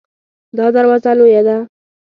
دا دروازه لویه ده